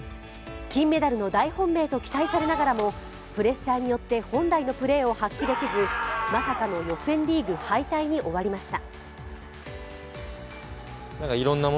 金メダルの大本命と期待されながらもプレッシャーによって本来のプレーを発揮できず、まさかの予選リーグ敗退に終わりました。